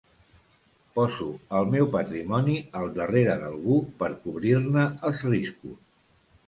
Poso el meu patrimoni al darrere d'algú per cobrir-ne els riscos.